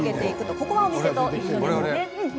ここはお店と一緒ですね。